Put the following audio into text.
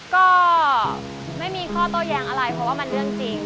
ก็ไม่มีข้อโต้แย้งอะไรเพราะว่ามันเรื่องจริง